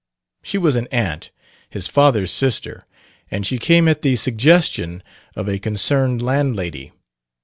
She was an aunt, his father's sister, and she came at the suggestion of a concerned landlady.